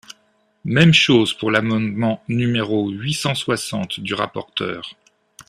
Même chose pour l’amendement numéro huit cent soixante du rapporteur.